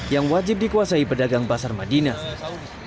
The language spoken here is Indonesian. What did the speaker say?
yang wajib dikuasai pedagang pasar madinah